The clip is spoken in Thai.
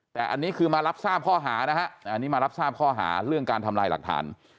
แต่อันนี้คือมารับทราบข้อหานะฮะอันนี้มารับทราบข้อหาเรื่องการทำลายหลักฐาน